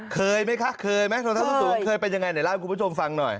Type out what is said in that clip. เคยไหมคะเคยไหมรองเท้าส้นสูงเคยเป็นยังไงในร่างคุณผู้ชมฟังหน่อย